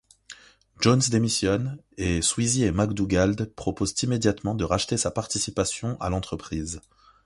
Jones démissionne et Sweezey et MacDougald proposent immédiatement de racheter sa participation à l'entreprise.